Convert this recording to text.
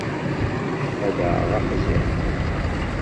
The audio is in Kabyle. Ad d-aɣeɣ aqziḥ.